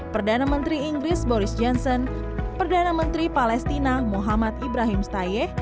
perdana menteri inggris boris johnson perdana menteri palestina muhammad ibrahim stayeh